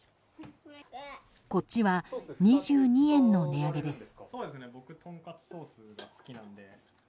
こっちは２２円の値上げです。